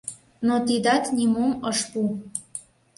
Но тидат нимом ыш пу.